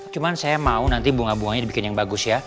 cuma saya mau nanti bunga bunganya dibikin yang bagus ya